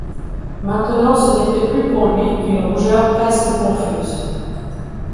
Maintenant ce n’était plus pour lui qu’une rougeur presque confuse.